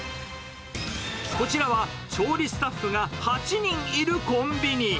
こちらは、調理スタッフが８人いるコンビニ。